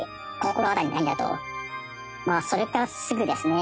それからすぐですね